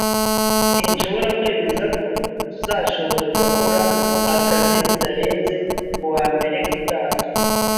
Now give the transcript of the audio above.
Sinshobora kwemeza ko tuzashobora gukora akazi bitarenze kuwa mbere utaha.